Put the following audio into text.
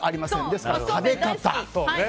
ですから、食べ方。